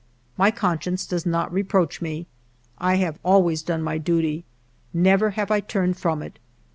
My conscience does not reproach me. I have always done my duty ; never have I turned from it.